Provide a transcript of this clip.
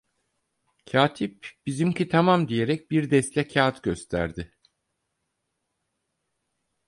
Katip: "Bizimki tamam!" diyerek bir deste kağıt gösterdi.